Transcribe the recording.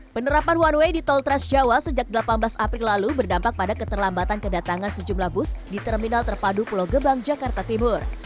penerapan one way di tol tras jawa sejak delapan belas april lalu berdampak pada keterlambatan kedatangan sejumlah bus di terminal terpadu pulau gebang jakarta timur